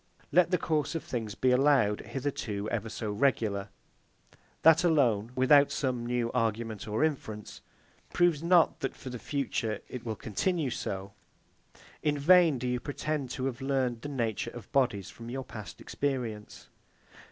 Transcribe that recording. Let the course of things be allowed hitherto ever so regular; that alone, without some new argument or inference, proves not that, for the future, it will continue so. In vain do you pretend to have learned the nature of bodies from your past experience.